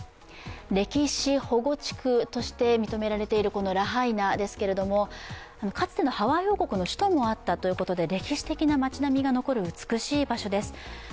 歴史保護地区として認められているラハイナですけれども、かつてのハワイ王国の首都もあったということで歴史的な街並みも残る美しい場所です。